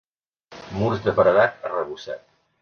Murs de paredat arrebossat.